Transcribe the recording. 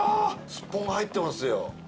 すっぽんが入ってますよ。